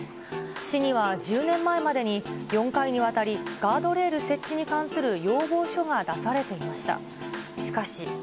市には１０年前までに４回にわたり、ガードレール設置に関する要望書が出されていました。